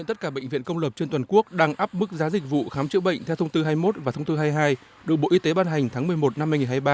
tất cả bệnh viện công lập trên toàn quốc đang áp mức giá dịch vụ khám chữa bệnh theo thông tư hai mươi một và thông tư hai mươi hai được bộ y tế ban hành tháng một mươi một năm hai nghìn hai mươi ba